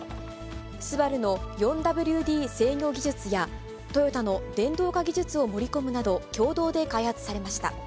ＳＵＢＡＲＵの４ＷＤ制御技術や、トヨタの電動化技術を盛り込むなど、共同で開発されました。